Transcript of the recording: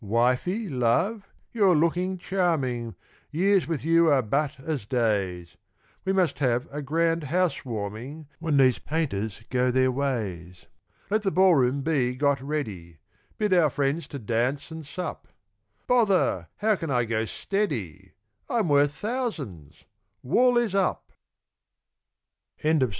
Wifey, love, you're looking charming, Years with you are but as days; We must have a grand house warming When these painters go their ways. Let the ball room be got ready, Bid our friends to dance and sup: Bother! how can I "go steady"? I'm worth thousands wool is up! GARNET WALCH.